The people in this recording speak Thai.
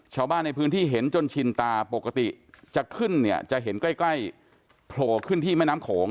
ชาวบ้านในพื้นที่เห็นจนชินตาปกติจะขึ้นเนี่ยจะเห็นใกล้ใกล้โผล่ขึ้นที่แม่น้ำโขง